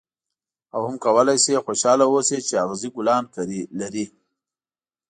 او هم کولای شې خوشاله اوسې چې اغزي ګلان لري.